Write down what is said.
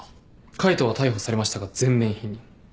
海藤は逮捕されましたが全面否認。